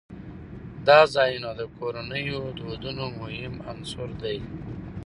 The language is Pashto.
دا ځایونه د کورنیو د دودونو مهم عنصر دی.